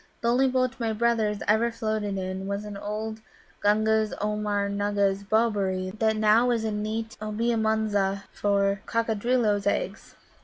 "The only boat my brothers ever floated in was an old Gunga's Oomgar nugga's bobberie that now is a nest in Obea Munza for Coccadrilloes' eggs."